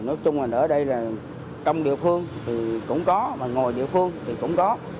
nói chung là ở đây là trong địa phương thì cũng có mà ngồi địa phương thì cũng có